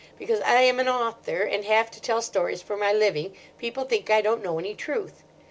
Because I am an author, and have to tell stories for my living, people think I don't know any truth.